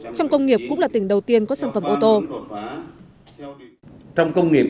trong công nghiệp cũng là tỉnh đầu tiên có sản phẩm ô tô